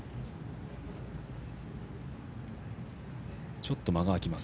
ちょっと間が空きます。